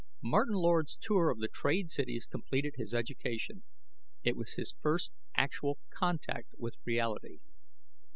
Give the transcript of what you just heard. Martin Lord's tour of the trade cities completed his education. It was his first actual contact with reality.